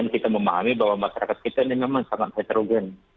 kita memahami bahwa masyarakat kita ini memang sangat heterogen